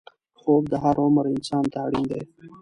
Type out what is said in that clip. خوب د هر عمر انسان ته اړین دی